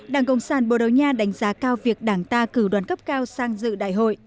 đảng cộng sản bồ đầu nha đánh giá cao việc đảng ta cử đoàn cấp cao sang dự đại hội